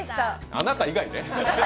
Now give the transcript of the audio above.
あなた以外ね！